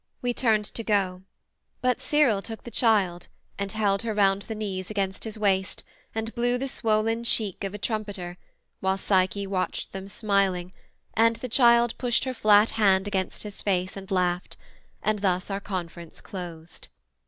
We turned to go, but Cyril took the child, And held her round the knees against his waist, And blew the swollen cheek of a trumpeter, While Psyche watched them, smiling, and the child Pushed her flat hand against his face and laughed; And thus our conference closed.